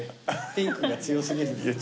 ピンクが強すぎる。